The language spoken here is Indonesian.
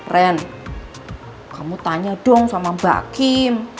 ren kamu tanya dong sama mbak kim